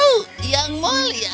oh yang mulia